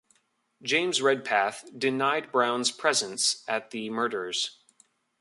James Redpath, denied Brown's presence at the murders.